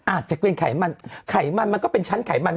อาจจะเป็นไขมันไขมันมันก็เป็นชั้นไขมัน